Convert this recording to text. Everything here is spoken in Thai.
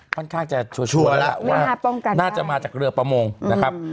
ค่อนข้างจะชัวร์แล้วว่าน่าจะมาจากเรือประมงนะครับ